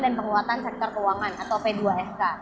dan penguatan sektor keuangan atau p dua sk